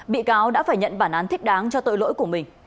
bị cáo đã phải nhận bản án thích đáng cho tội lỗi của mình